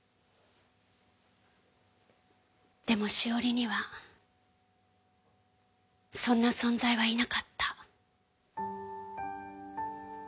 でも詩織にはそんな存在はいなかった。